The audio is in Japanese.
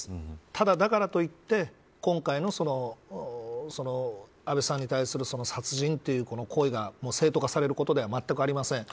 ただ、だからといって今回の安倍さんに対する殺人という行為が正当化されることではまったくありません。